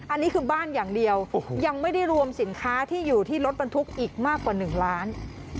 อันนี้คือบ้านอย่างเดียวยังไม่ได้รวมสินค้าที่อยู่ที่รถบรรทุกอีกมากกว่า๑ล้าน